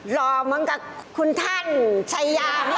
รอเหมือนกับคุณท่านชายาชายา